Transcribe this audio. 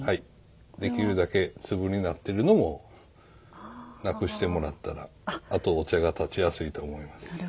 できるだけ粒になってるのもなくしてもらったらあとお茶が点ちやすいと思います。